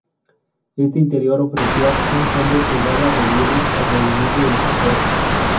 Este interior ofrecía un fondo que daba relieve al movimiento de los actores.